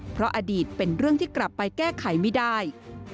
เพราะอดีตเป็นเรื่องที่กลับไปแก้ไขไม่ได้